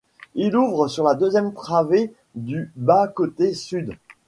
Il ouvre sur la deuxième travée du bas-côté sud.